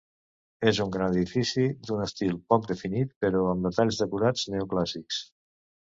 És un gran edifici, d'un estil poc definit però amb detalls decorats neoclàssics.